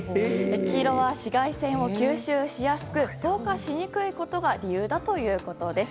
黄色は紫外線を吸収しやすく透過しにくいことが理由だということです。